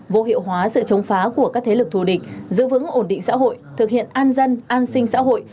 vô hiệu hóa sự chống phá của các thế lực thù địch giữ vững ổn định xã hội thực hiện an dân an sinh xã hội